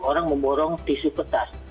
orang memborong tisu kertas